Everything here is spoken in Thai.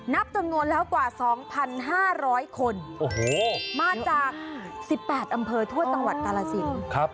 นับจำนวนแล้วกว่า๒๕๐๐คนมาจาก๑๘อำเภอทั่วจังหวัดกาลสิน